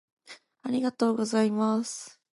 「ありがとうございます」